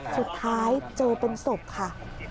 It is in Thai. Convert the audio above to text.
สุดท้ายเจอเป็นศพค่ะ